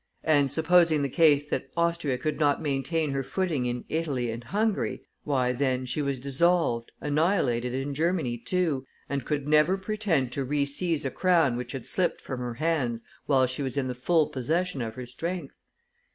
And supposing the case that Austria could not maintain her footing in Italy and Hungary, why, then she was dissolved, annihilated in Germany too, and could never pretend to reseize a crown which had slipped from her hands while she was in the full possession of her strength.